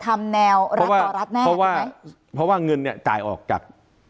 ทำแนวรัฐต่อรัฐแน่เพราะว่าเพราะว่าเงินเนี่ยจ่ายออกจาก